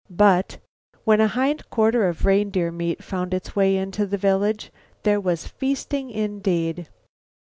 But when a hind quarter of reindeer meat found its way into the village there was feasting indeed.